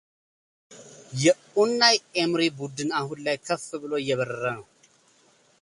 የኡናይ ኤምሪ ቡድን አሁን ላይ ከፍ ብሎ እየበረረ ነው።